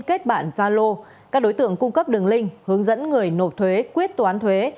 kết bản gia lô các đối tượng cung cấp đường link hướng dẫn người nộp thuế quyết toán thuế